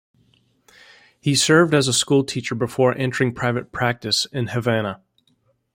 He served as a schoolteacher before entering private practice in Havana.